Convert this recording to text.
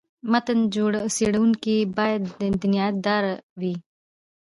متن څېړونکی باید دیانت داره وي.